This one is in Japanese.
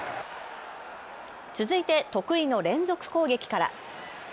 続いて得意の連続攻撃から。